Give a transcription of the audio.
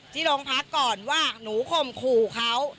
ที่โรงพักก่อนว่าหนูข่มขู่เขา